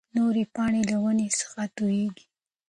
نورې پاڼې له ونې څخه تويېږي.